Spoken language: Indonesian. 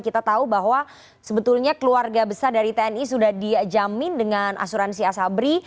kita tahu bahwa sebetulnya keluarga besar dari tni sudah dijamin dengan asuransi asabri